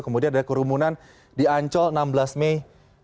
kemudian ada kerumunan di ancol enam belas mei dua ribu dua puluh